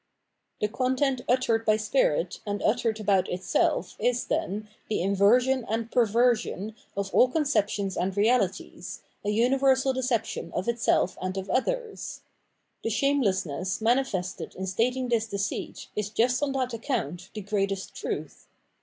The content uttered by spirit and uttered about itself is, then, the inversion and perversion of all con ceptions and reahties, a umversal deception of itself and of others. The shamelessness manifested in stating this deceit is just on that account the greatest truth.